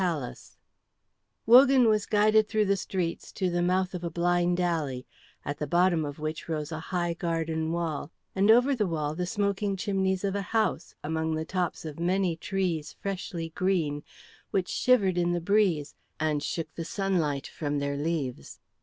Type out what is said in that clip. CHAPTER XXII Wogan was guided through the streets to the mouth of a blind alley, at the bottom of which rose a high garden wall, and over the wall the smoking chimneys of a house among the tops of many trees freshly green, which shivered in the breeze and shook the sunlight from their leaves.